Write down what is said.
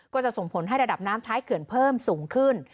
ก็จะส่งผลให้ระดับน้ำท้ายเขื่อนเพิ่มสูงขึ้น